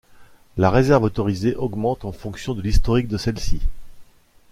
La réserve autorisée augmente en fonction de l'historique de celle-ci.